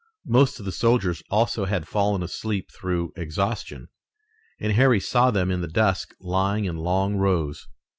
Most of the soldiers also had fallen asleep through exhaustion, and Harry saw them in the dusk lying in long rows.